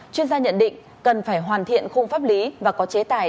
chuyên gia nhận định cần phải hoàn thiện khung pháp lý và có chế tài